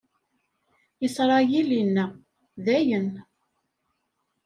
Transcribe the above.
Isṛayil inna: Dayen!